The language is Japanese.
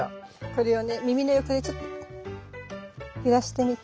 これをね耳の横でちょっと揺らしてみて。